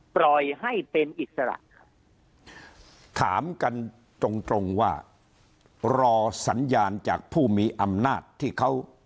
ปล่อยให้เป็นอิสระครับถามกันตรงตรงว่ารอสัญญาณจากผู้มีอำนาจที่เขา